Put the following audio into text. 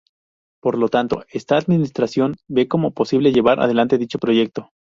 Por lo tanto, esta administración ve como imposible llevar adelante dicho proyecto.